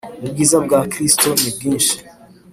Ubwiza bwa Kristo nibwishi.